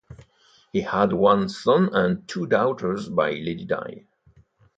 He had one son and two daughters by Lady Di.